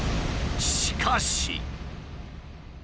しかし。